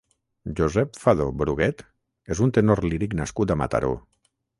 Josep Fadó Bruguet és un tenor líric nascut a Mataró.